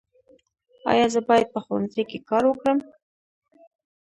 ایا زه باید په ښوونځي کې کار وکړم؟